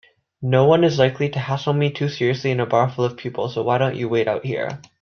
Noone is likely to hassle me too seriously in a bar full of people, so why don't you wait out here?